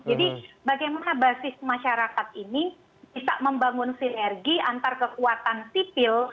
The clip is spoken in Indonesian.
jadi bagaimana basis masyarakat ini bisa membangun sinergi antar kekuatan sipil